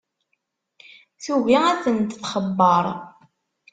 Tugi ad tent-txebber.